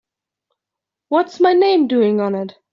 What's my name doing on it?